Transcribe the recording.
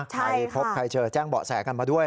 ใครพบใครเจอแจ้งเบาะแสกันมาด้วย